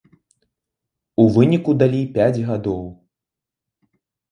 У выніку далі пяць гадоў.